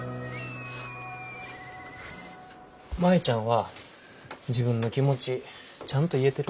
舞ちゃんは自分の気持ちちゃんと言えてる？